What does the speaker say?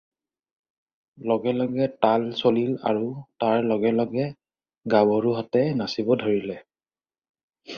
লগে লগে তাল চলিল আৰু তাৰ লগে লগে গাভৰুহঁতে নাচিব ধৰিলে।